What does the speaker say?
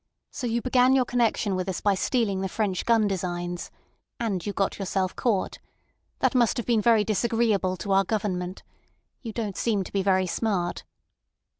So you began your connection with us by stealing the French gun designs. And you got yourself caught. That must have been very disagreeable to our Government. You don't seem to be very smart."